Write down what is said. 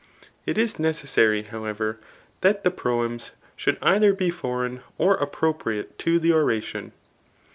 It is necessary, however, that the proems should either be foreign, or appropriate to the oration.